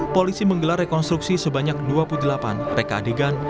polisi menggelar rekonstruksi sebanyak dua puluh delapan reka adegan